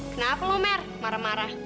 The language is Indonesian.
kenapa lo mer marah marah